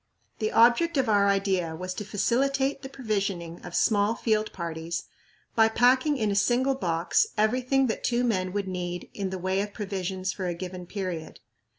The object of our idea was to facilitate the provisioning of small field parties by packing in a single box everything that two men would need in the way of provisions for a given period.